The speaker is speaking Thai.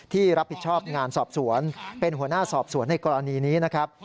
ที่รับผิดชอบงานสอบสวนเป็นหัวหน้าสอบสวนในกรณีนี้นะครับ